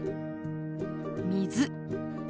「水」。